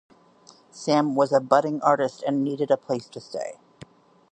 Sam was a budding artist and needed a place to stay.